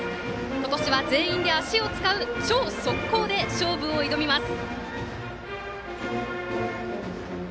今年は全員で足を使う超速攻で勝負を挑みます。